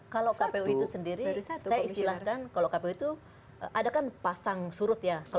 kalau kpu itu sendiri saya istilahkan kalau kpu itu ada kan pasang surut ya